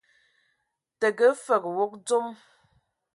Təgə fəg wog dzom.